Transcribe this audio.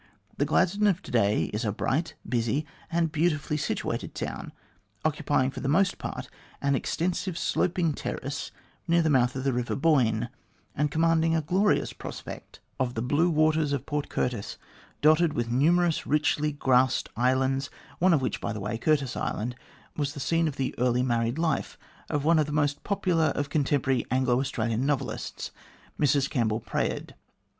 The Gladstone of to day is a bright, busy, and beautifully situated town, occupying for the most part an extensive sloping terrace near the mouth of the Kiver Boyne, and commanding a glorious prospect THE GLADSTONE OF TO DAY 193 of the blue waters of Port Curtis, dotted with numerous richly grassed islands, one of which, by the way Curtis Island was the scene of the early married life of one of the most popular of contemporary Anglo Australian novelists, Mrs Campbell Praed.